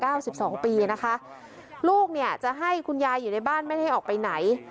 สิบสองปีนะคะลูกเนี่ยจะให้คุณยายอยู่ในบ้านไม่ได้ให้ออกไปไหน